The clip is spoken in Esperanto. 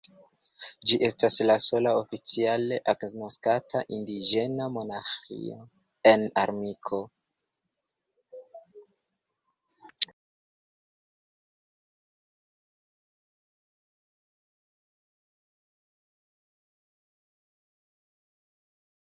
Ĝi estas la sola oficiale agnoskata indiĝena monarĥio en Ameriko.